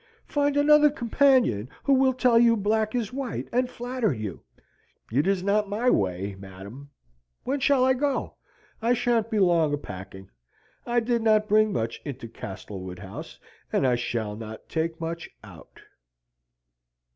Find another companion who will tell you black is white, and flatter you: it is not my way, madam. When shall I go? I shan't be long a packing. I did not bring much into Castlewood House, and I shall not take much out."